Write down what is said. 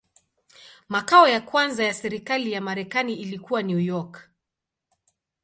Makao ya kwanza ya serikali ya Marekani ilikuwa New York.